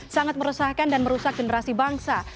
sangat meresahkan dan merusak generasi bangsa